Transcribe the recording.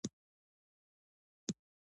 کابینه د وزیرانو شورا ده